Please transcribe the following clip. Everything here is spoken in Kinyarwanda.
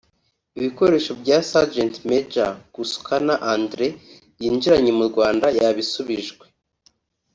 Ibikoresho bya Sgt Maj Kusukana Andre yinjiranye mu Rwanda yabisubijwe